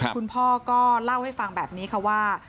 คุณพ่อก็เล่าให้ฟังแบบนี้ค่ะว่า